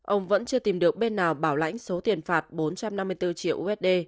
ông vẫn chưa tìm được bên nào bảo lãnh số tiền phạt bốn trăm năm mươi bốn triệu usd